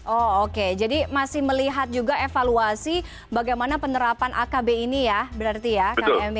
oh oke jadi masih melihat juga evaluasi bagaimana penerapan akb ini ya berarti ya kang emi